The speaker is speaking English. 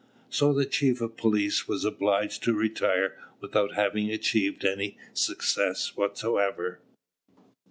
So the chief of police was obliged to retire without having achieved any success whatever.